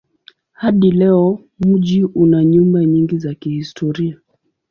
Hadi leo mji una nyumba nyingi za kihistoria.